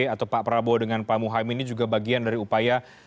atau pak prabowo dengan pak muhaymin ini juga bagian dari upaya